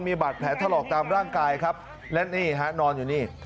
มีบาดแผลถลอกตามร่างกายครับและนี่ฮะนอนอยู่นี่